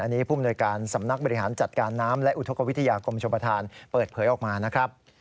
อันนี้ภูมิหน่วยการสำนักบริหารจัดการน้ำและอุทธกวิทยากรมชมประธานเปิดเผยออกมานะครับ